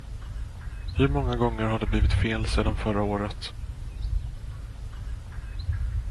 Hur många gånger har det blivit fel sedan förra året?